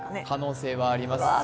可能性はあります。